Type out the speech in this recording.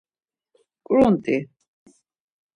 ǩrunt̆i!